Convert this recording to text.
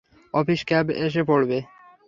Office cab এসে পড়বে।